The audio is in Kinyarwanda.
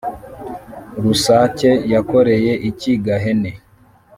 Rusake yakoreye iki Gahene?